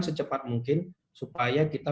secepat mungkin supaya kita